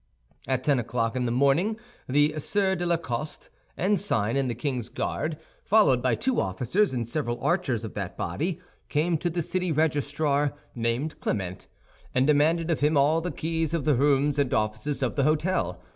At ten o'clock in the morning the Sieur de la Coste, ensign in the king's Guards, followed by two officers and several archers of that body, came to the city registrar, named Clement, and demanded of him all the keys of the rooms and offices of the hôtel.